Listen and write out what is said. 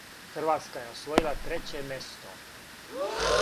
Хрватска је освојила треће место.